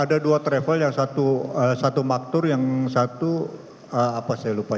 ada dua travel yang satu maktur yang satu apa saya lupa